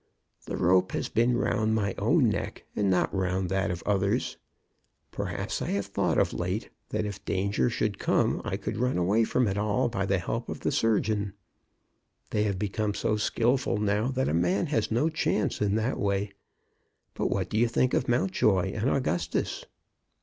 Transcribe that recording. The rope has been round my own neck and not round that of others. Perhaps I have thought of late that if danger should come I could run away from it all, by the help of the surgeon. They have become so skilful now that a man has no chance in that way. But what do you think of Mountjoy and Augustus?"